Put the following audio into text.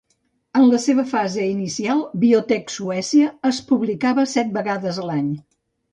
En la seva fase inicial, "Biotech Suècia" es publicava set vegades l'any.